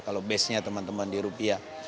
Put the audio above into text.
kalau base nya teman teman di rupiah